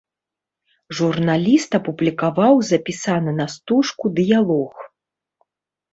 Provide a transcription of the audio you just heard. Журналіст апублікаваў запісаны на стужку дыялог.